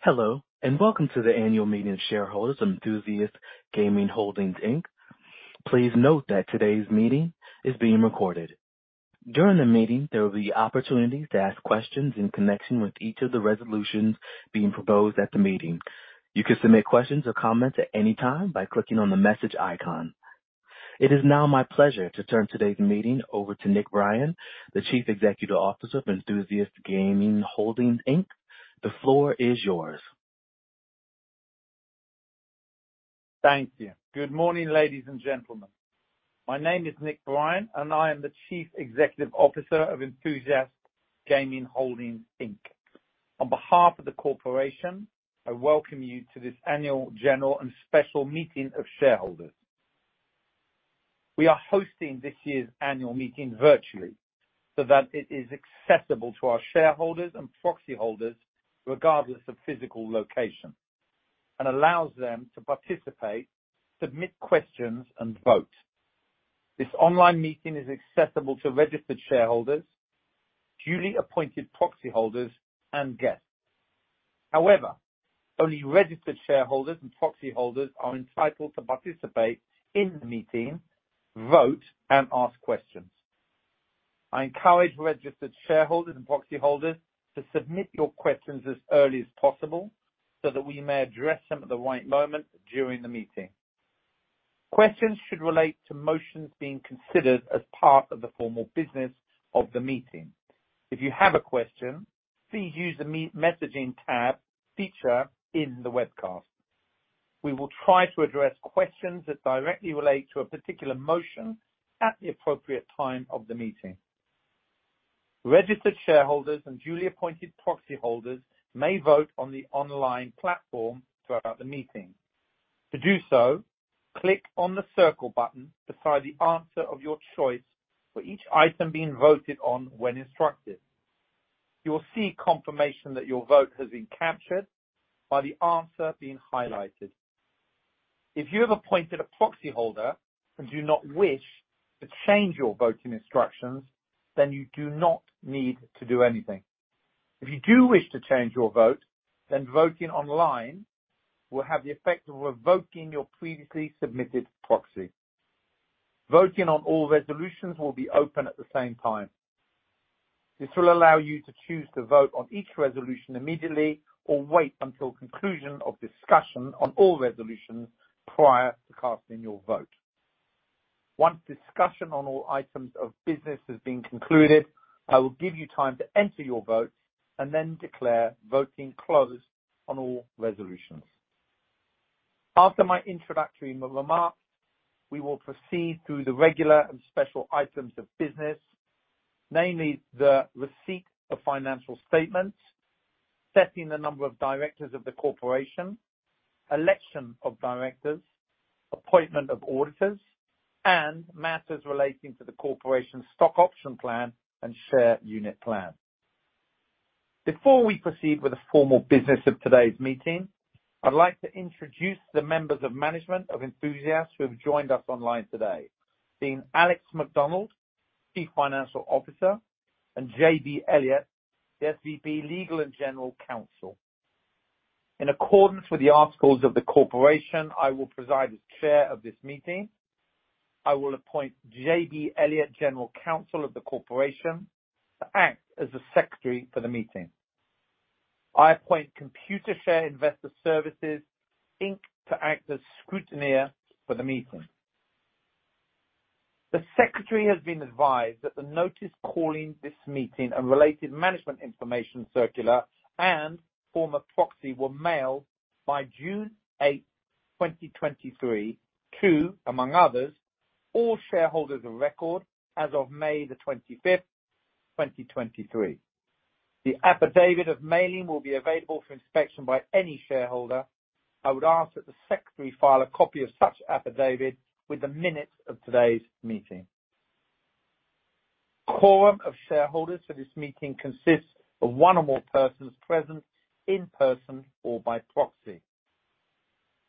Hello, and welcome to the annual meeting of shareholders, Enthusiast Gaming Holdings, Inc. Please note that today's meeting is being recorded. During the meeting, there will be opportunities to ask questions in connection with each of the resolutions being proposed at the meeting. You can submit questions or comments at any time by clicking on the message icon. It is now my pleasure to turn today's meeting over to Nick Brien, the Chief Executive Officer of Enthusiast Gaming Holdings, Inc. The floor is yours. Thank you. Good morning, ladies and gentlemen. My name is Nick Brien, I am the Chief Executive Officer of Enthusiast Gaming Holdings Inc. On behalf of the corporation, I welcome you to this annual, general, and special meeting of shareholders. We are hosting this year's annual meeting virtually, so that it is accessible to our shareholders and proxy holders, regardless of physical location, and allows them to participate, submit questions, and vote. This online meeting is accessible to registered shareholders, duly appointed proxy holders, and guests. Only registered shareholders and proxy holders are entitled to participate in the meeting, vote, and ask questions. I encourage registered shareholders and proxy holders to submit your questions as early as possible, so that we may address them at the right moment during the meeting. Questions should relate to motions being considered as part of the formal business of the meeting. If you have a question, please use the messaging tab feature in the webcast. We will try to address questions that directly relate to a particular motion at the appropriate time of the meeting. Registered shareholders and duly appointed proxy holders may vote on the online platform throughout the meeting. To do so, click on the circle button beside the answer of your choice for each item being voted on when instructed. You will see confirmation that your vote has been captured by the answer being highlighted. If you have appointed a proxy holder and do not wish to change your voting instructions, you do not need to do anything. If you do wish to change your vote, voting online will have the effect of revoking your previously submitted proxy. Voting on all resolutions will be open at the same time. This will allow you to choose to vote on each resolution immediately or wait until conclusion of discussion on all resolutions prior to casting your vote. Once discussion on all items of business has been concluded, I will give you time to enter your vote and then declare voting closed on all resolutions. After my introductory remarks, we will proceed through the regular and special items of business, namely the receipt of financial statements, setting the number of directors of the corporation, election of directors, appointment of auditors, and matters relating to the corporation's stock option plan and share unit plan. Before we proceed with the formal business of today's meeting, I'd like to introduce the members of management of Enthusiast who have joined us online today, being Alex Macdonald, Chief Financial Officer, and J.B. Elliott, the SVP of Legal and General Counsel. In accordance with the articles of the corporation, I will preside as chair of this meeting. I will appoint J.B. Elliott, General Counsel of the corporation, to act as the secretary for the meeting. I appoint Computershare Investor Services Inc., to act as scrutineer for the meeting. The secretary has been advised that the notice calling this meeting and related management information circular and form of proxy were mailed by June 8, 2023, to, among others, all shareholders of record as of May the 25th, 2023. The affidavit of mailing will be available for inspection by any shareholder. I would ask that the secretary file a copy of such affidavit with the minutes of today's meeting. Quorum of shareholders for this meeting consists of one or more persons present in person or by proxy.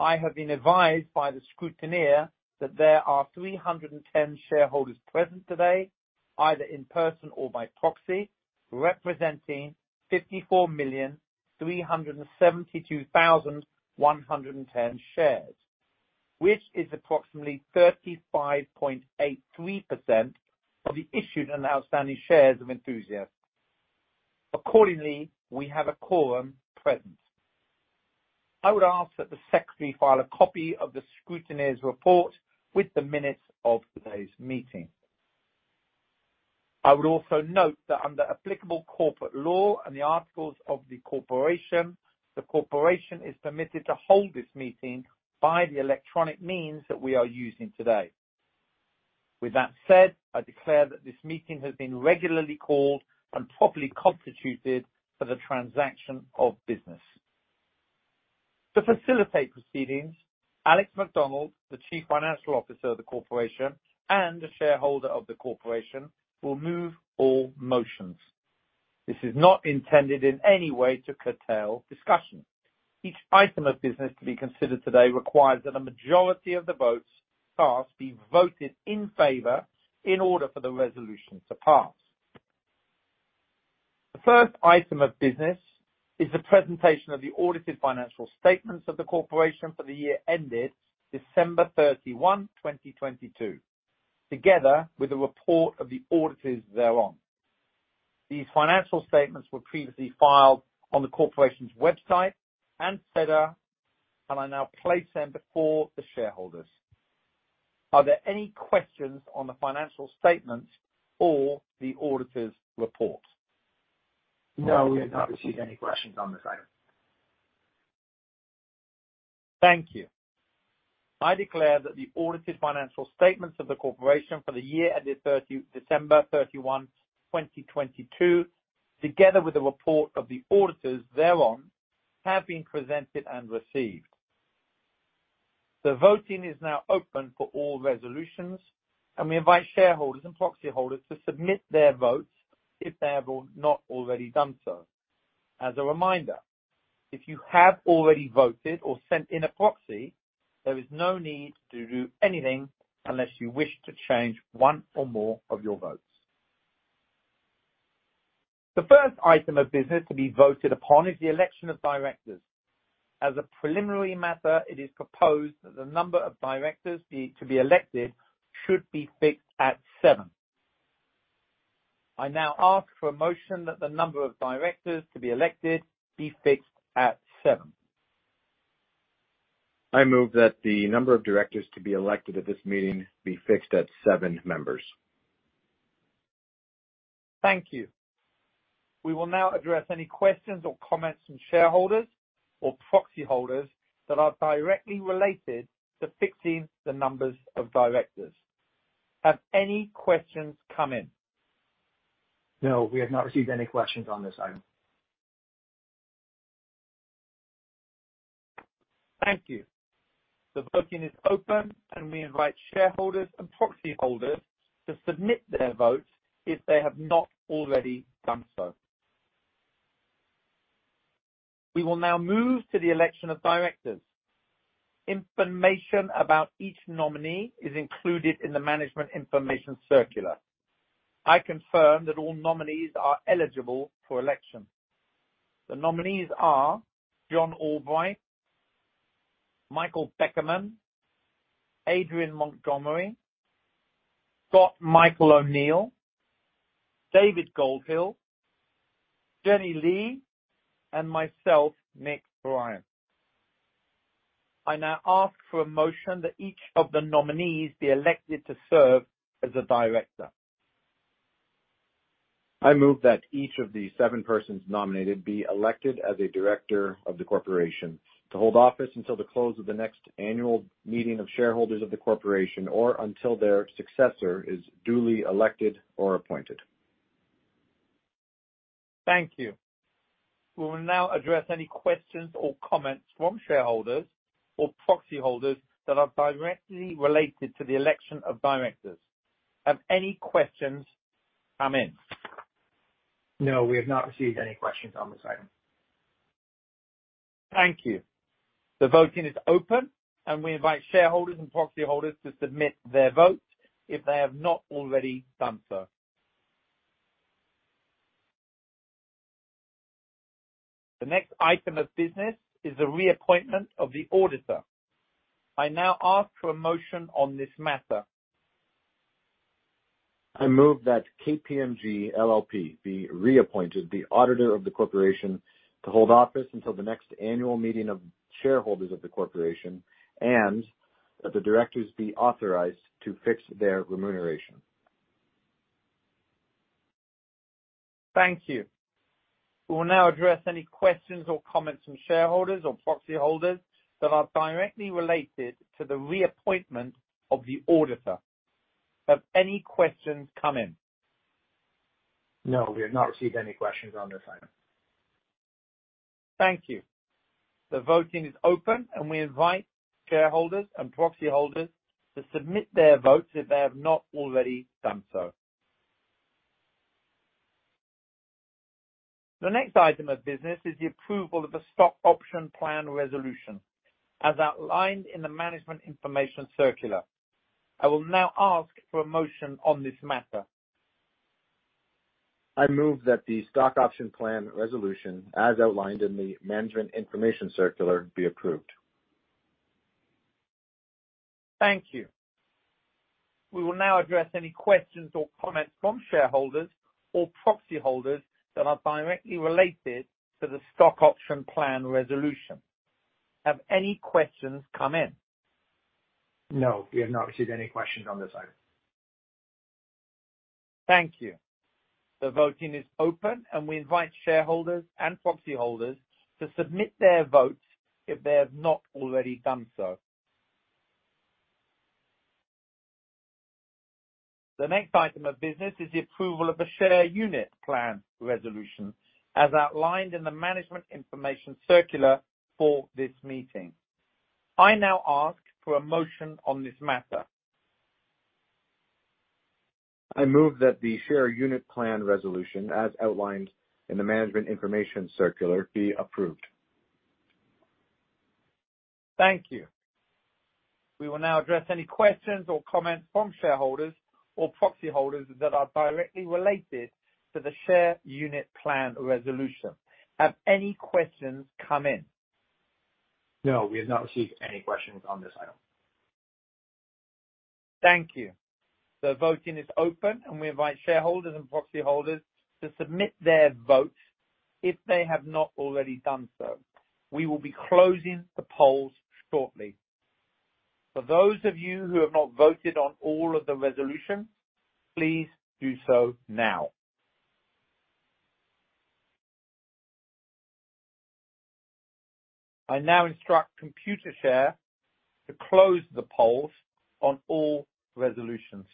I have been advised by the scrutineer that there are 310 shareholders present today, either in person or by proxy, representing 54,372,110 shares, which is approximately 35.83% of the issued and outstanding shares of Enthusiast. Accordingly, we have a quorum present. I would ask that the secretary file a copy of the scrutineer's report with the minutes of today's meeting. I would also note that under applicable corporate law and the articles of the corporation, the corporation is permitted to hold this meeting by the electronic means that we are using today. With that said, I declare that this meeting has been regularly called and properly constituted for the transaction of business. To facilitate proceedings, Alex Macdonald, the Chief Financial Officer of the corporation and a shareholder of the corporation, will move all motions. This is not intended in any way to curtail discussion. Each item of business to be considered today requires that a majority of the votes cast be voted in favor in order for the resolution to pass. The first item of business is the presentation of the audited financial statements of the corporation for the year ended December 31, 2022, together with a report of the auditors thereon. These financial statements were previously filed on the corporation's website and SEDAR. I now place them before the shareholders. Are there any questions on the financial statements or the auditor's report? No, we have not received any questions on this item. Thank you. I declare that the audited financial statements of the corporation for the year ended December 31, 2022, together with the report of the auditors thereon, have been presented and received. The voting is now open for all resolutions, we invite shareholders and proxy holders to submit their votes if they have not already done so. As a reminder, if you have already voted or sent in a proxy, there is no need to do anything unless you wish to change one or more of your votes. The first item of business to be voted upon is the election of directors. As a preliminary matter, it is proposed that the number of directors to be elected should be fixed at seven. I now ask for a motion that the number of directors to be elected be fixed at seven. I move that the number of directors to be elected at this meeting be fixed at seven members. Thank you. We will now address any questions or comments from shareholders or proxy holders that are directly related to fixing the numbers of directors. Have any questions come in? No, we have not received any questions on this item. Thank you. The voting is open, and we invite shareholders and proxy holders to submit their votes if they have not already done so. We will now move to the election of directors. Information about each nominee is included in the management information circular. I confirm that all nominees are eligible for election. The nominees are John Albright, Michael Beckerman, Adrian Montgomery, Scott Michael O'Neil, David Goldhill, Janny Lee, and myself, Nick Brien. I now ask for a motion that each of the nominees be elected to serve as a director. I move that each of the seven persons nominated be elected as a director of the corporation to hold office until the close of the next annual meeting of shareholders of the corporation, or until their successor is duly elected or appointed. Thank you. We will now address any questions or comments from shareholders or proxy holders that are directly related to the election of directors. Have any questions come in? No, we have not received any questions on this item. Thank you. The voting is open. We invite shareholders and proxy holders to submit their votes if they have not already done so. The next item of business is the reappointment of the auditor. I now ask for a motion on this matter. I move that KPMG LLP be reappointed the auditor of the corporation to hold office until the next annual meeting of shareholders of the corporation, and that the directors be authorized to fix their remuneration. Thank you. We will now address any questions or comments from shareholders or proxy holders that are directly related to the reappointment of the auditor. Have any questions come in? No, we have not received any questions on this item. Thank you. The voting is open. We invite shareholders and proxy holders to submit their votes if they have not already done so. The next item of business is the approval of the stock option plan resolution, as outlined in the management information circular. I will now ask for a motion on this matter. I move that the stock option plan resolution, as outlined in the management information circular, be approved. Thank you. We will now address any questions or comments from shareholders or proxy holders that are directly related to the stock option plan resolution. Have any questions come in? No, we have not received any questions on this item. Thank you. The voting is open. We invite shareholders and proxy holders to submit their votes if they have not already done so. The next item of business is the approval of the share unit plan resolution, as outlined in the management information circular for this meeting. I now ask for a motion on this matter. I move that the Share Unit Plan resolution, as outlined in the management information circular, be approved. Thank you. We will now address any questions or comments from shareholders or proxy holders that are directly related to the Share Unit Plan resolution. Have any questions come in? No, we have not received any questions on this item. Thank you. The voting is open. We invite shareholders and proxy holders to submit their votes if they have not already done so. We will be closing the polls shortly. For those of you who have not voted on all of the resolutions, please do so now. I now instruct Computershare to close the polls on all resolutions.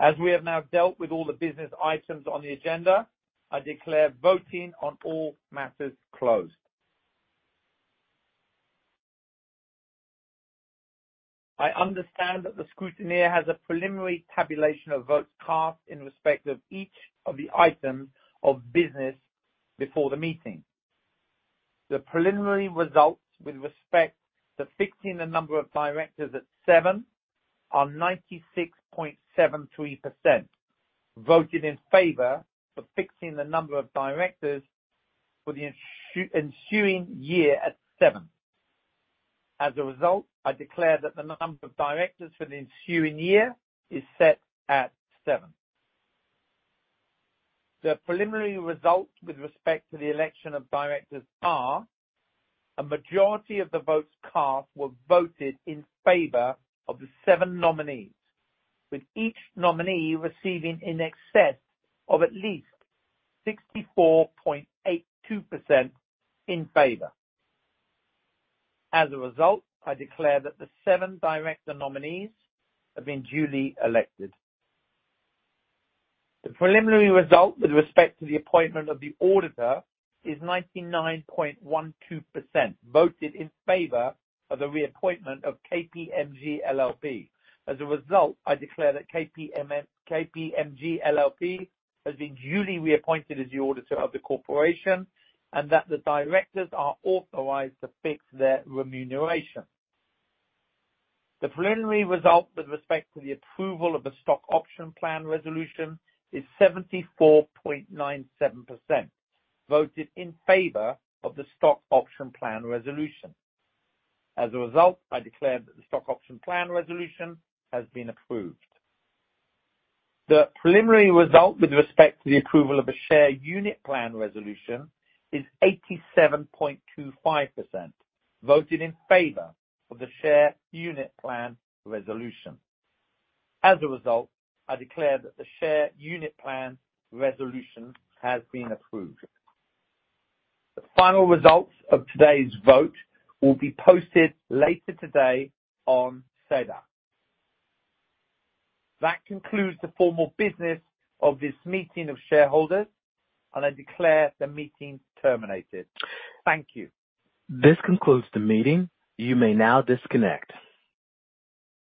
As we have now dealt with all the business items on the agenda, I declare voting on all matters closed. I understand that the scrutineer has a preliminary tabulation of votes cast in respect of each of the items of business before the meeting. The preliminary results with respect to fixing the number of directors at seven are 96.73% voted in favor for fixing the number of directors for the ensuing year at seven. As a result, I declare that the number of directors for the ensuing year is set at seven. The preliminary result with respect to the election of directors are: a majority of the votes cast were voted in favor of the seven nominees, with each nominee receiving in excess of at least 64.82% in favor. As a result, I declare that the seven director nominees have been duly elected. The preliminary result with respect to the appointment of the auditor is 99.12% voted in favor of the reappointment of KPMG LLP. As a result, I declare that KPMG LLP has been duly reappointed as the auditor of the corporation and that the directors are authorized to fix their remuneration. The preliminary result with respect to the approval of the stock option plan resolution is 74.97% voted in favor of the stock option plan resolution. As a result, I declare that the stock option plan resolution has been approved. The preliminary result with respect to the approval of a Share Unit Plan resolution is 87.25% voted in favor of the Share Unit Plan resolution. As a result, I declare that the Share Unit Plan resolution has been approved. The final results of today's vote will be posted later today on SEDAR. That concludes the formal business of this meeting of shareholders, and I declare the meeting terminated. Thank you. This concludes the meeting. You may now disconnect.